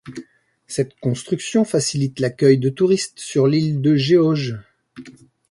Cette construction facilite l'accueil de touristes sur l'île de Geoje.